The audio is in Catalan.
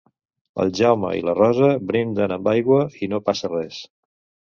El Jaume i la Rosa brinden amb aigua, i no passa res